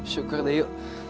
syukur deh yuk